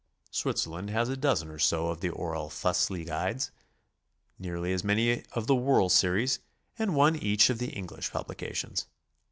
Switzerland has a dozen or two of the Orell Fussli guides, nearly as many of the Woerl series, and one each of the English publications.